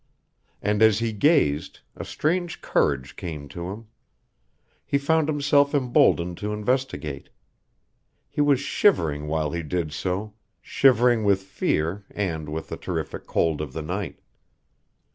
And as he gazed, a strange courage came to him. He found himself emboldened to investigate. He was shivering while he did so, shivering with fear and with the terrific cold of the night.